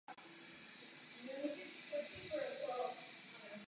Katedrála je vybudována na základním katedrálním půdoryse.